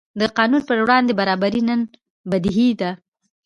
د قانون پر وړاندې برابري نن بدیهي ده.